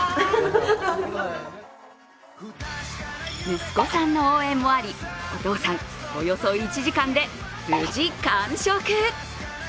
息子さんの応援もあり、お父さんおよそ１時間で無事完食。